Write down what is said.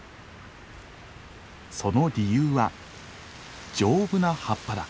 その理由は丈夫な葉っぱだ。